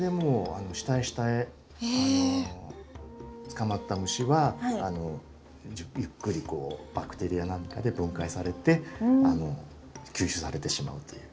捕まった虫はゆっくりバクテリアなんかで分解されて吸収されてしまうという。